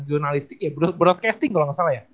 jurnalistik ya broadcasting kalo gak salah ya